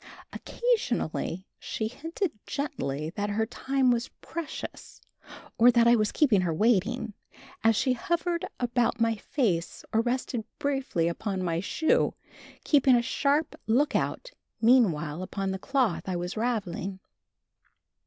Occasionally she hinted gently that her time was precious or that I was keeping her waiting, as she hovered about my face or rested briefly upon my shoe, keeping a sharp lookout meanwhile upon the cloth I was raveling.